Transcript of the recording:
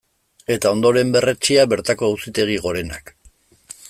Eta ondoren berretsia bertako Auzitegi Gorenak.